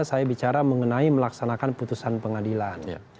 saya bicara mengenai melaksanakan putusan pengadilan